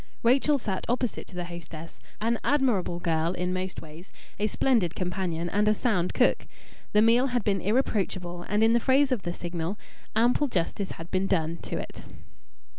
Rachel sat opposite to the hostess an admirable girl in most ways, a splendid companion, and a sound cook. The meal had been irreproachable, and in the phrase of the Signal "ample justice had been done" to it.